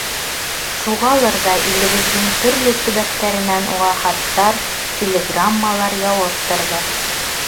Шуғалыр ҙа илебеҙҙең төрлө төбәктәренән уға хаттар, телеграммалар яуып торҙо.